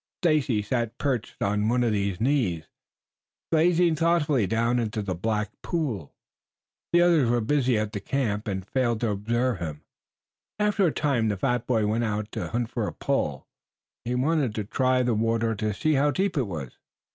Stacy sat perched on one of these knees gazing thoughtfully down into the black pool. The others were busy about the camp and failed to observe him. After a time the fat boy went out to hunt for a pole. He wanted to try the water to see how deep it was.